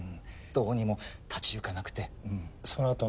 どうにも立ち行かなくてうん。